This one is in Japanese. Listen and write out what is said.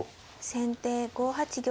先手５八玉。